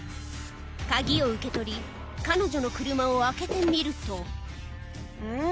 鍵を受け取り彼女の車を開けてみるとうん？